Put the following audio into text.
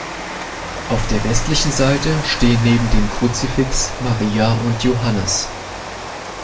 Auf der westlichen Seite stehen neben dem Kruzifix Maria und Johannes.